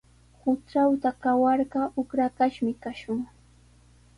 Hutratraw kawarqa uqrakashqami kashun.